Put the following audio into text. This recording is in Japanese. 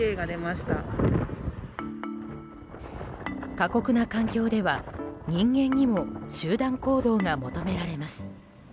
過酷な環境では人間にも集団行動が求められます。